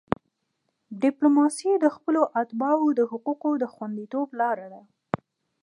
ډیپلوماسي د خپلو اتباعو د حقوقو د خوندیتوب لار ده.